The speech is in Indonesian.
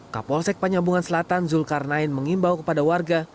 kapolsek penyambungan selatan zulkarnain mengimbau kepada warga